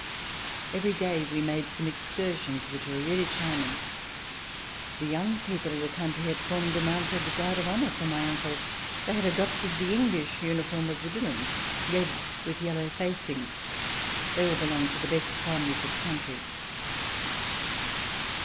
Every day we made some excursions which were really charming. The young people of the country had formed a mounted guard of honor for my uncle. They had adopted the English uniform of the Dillons, red with yellow facings. They all belonged to the best families of the country.